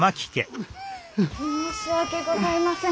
申し訳ございません。